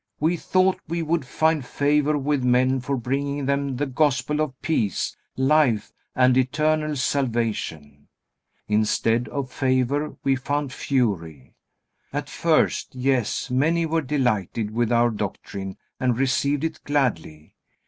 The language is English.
We thought we would find favor with men for bringing them the Gospel of peace, life, and eternal salvation. Instead of favor, we found fury. At first, yes, many were delighted with our doctrine and received it gladly.